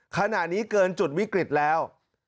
ขณะนี้เกินจุดวิกฤตแล้ว